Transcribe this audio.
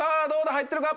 入ってるか？